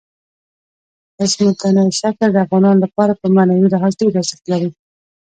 ځمکنی شکل د افغانانو لپاره په معنوي لحاظ ډېر ارزښت لري.